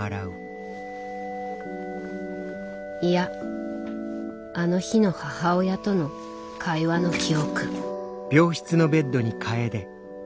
いやあの日の母親との会話の記憶。